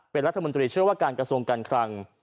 เป็นรัฐมนตรีเชื่อว่าการกระทรวงการคลัง